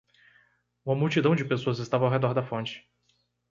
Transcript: Uma multidão de pessoas estava ao redor da fonte.